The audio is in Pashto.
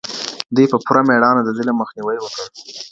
دوی په پوره مېړانه د ظلم مخنيوی وکړ.